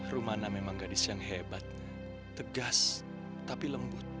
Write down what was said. rumana memang gadis yang hebat tegas tapi lembut